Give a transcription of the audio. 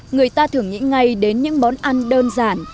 người ta thường nghĩ ngay đến những món ăn đơn giản